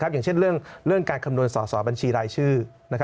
อย่างเช่นเรื่องการคำนวณสอสอบัญชีรายชื่อ